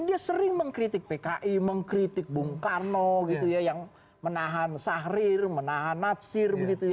dia sering mengkritik pki mengkritik bung karno gitu ya yang menahan sahrir menahan natsir